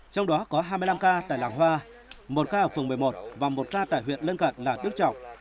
trong đó có hai mươi năm ca tại làng hoa một ca ở phường một mươi một và một ca tại huyện lân cận là đức trọng